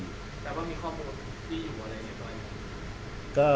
แปลว่ามีข้อมูลที่อยู่อะไรในกรณี